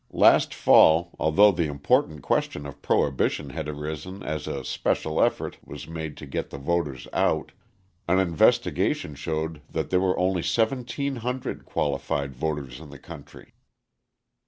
Last fall, although the important question of prohibition had arisen and an especial effort was made to get voters out, an investigation showed there were only 1,700 qualified voters in the country.